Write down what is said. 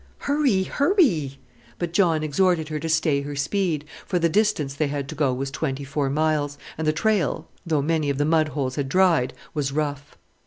"Hurry! hurry!" but John exhorted her to stay her speed, for the distance they had to go was twenty four miles, and the trail though many of the mud holes had dried was rough.